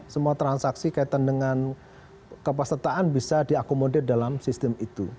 semua transaksi kaitan dengan kepesertaan bisa diakomodir dalam sistem itu